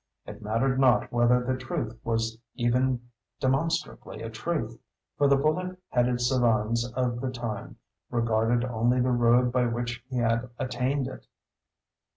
It mattered not whether the truth was even demonstrably a truth, for the bullet headed savans of the time regarded only the road by which he had attained it.